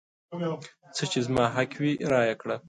څه چې زما حق وي رایې کړه.